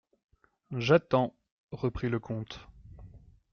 J'attends, reprit le comte.